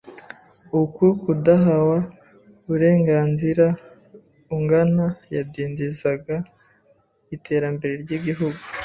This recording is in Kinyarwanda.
Uku kudahawa uurenganzira ungana yadindizaga iteramere ry’Igihugu